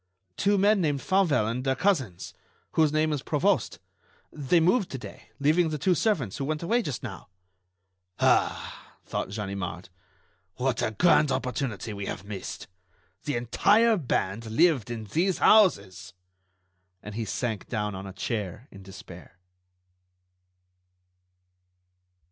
"Two men named Fauvel and their cousins, whose name is Provost. They moved to day, leaving the two servants, who went away just now." "Ah!" thought Ganimard; "what a grand opportunity we have missed! The entire band lived in these houses." And he sank down on a chair in despair.